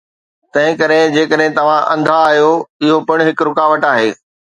تنهن ڪري، جيڪڏهن توهان انڌا آهيو، اهو پڻ هڪ رڪاوٽ آهي